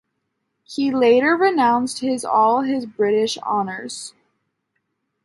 He later renounced his all his British honours.